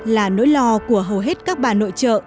là nỗi lo của hầu hết các bà nội trợ